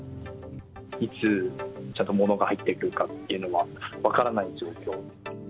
いつちゃんと物が入ってくるかっていうのが分からない状況。